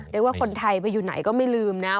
เรียกว่าคนไทยไปอยู่ไหนก็ไม่ลืมนะ